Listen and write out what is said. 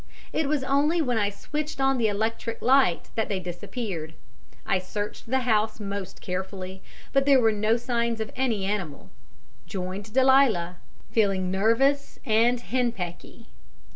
It was only when I switched on the electric light that they disappeared. I searched the house most carefully, but there were no signs of any animal. Joined Delia, feeling nervous and henpecky.